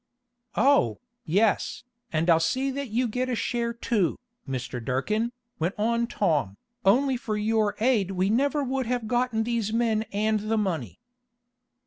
"Oh, yes, and I'll see that you get a share too, Mr. Durkin," went on Tom. "Only for your aid we never would have gotten these men and the money."